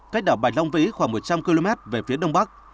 cách đảo bạch long vĩ khoảng một trăm linh km về phía đông bắc